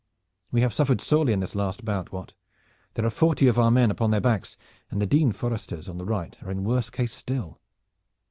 "We have suffered sorely in this last bout, Wat. There are forty of our men upon their backs, and the Dean Foresters on the right are in worse case still."